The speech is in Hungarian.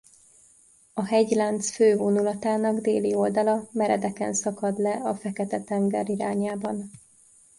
A hegylánc fő vonulatának déli oldala meredeken szakad le a Fekete-tenger irányában.